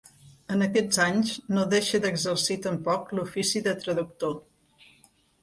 En aquests anys no deixa d'exercir tampoc l'ofici de traductor.